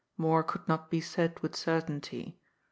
More could not be said with certainty.